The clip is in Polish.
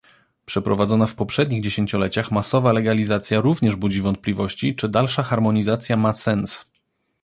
Przeprowadzona w poprzednich dziesięcioleciach masowa legalizacja również budzi wątpliwości, czy dalsza harmonizacja ma sens